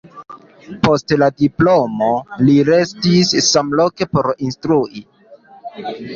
Post la diplomo li restis samloke por instrui.